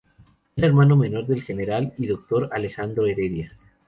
Era hermano menor del general y doctor Alejandro Heredia.